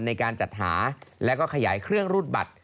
ในการจัดหาแล้วก็ขยายเครื่องรูดบัตร